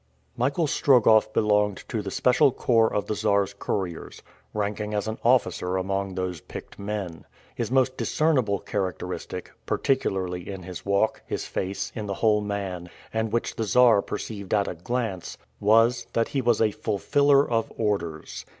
Michael Strogoff belonged to the special corps of the Czar's couriers, ranking as an officer among those picked men. His most discernible characteristic particularly in his walk, his face, in the whole man, and which the Czar perceived at a glance was, that he was "a fulfiller of orders."